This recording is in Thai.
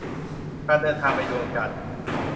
การเดินทางไปดวงจันทร์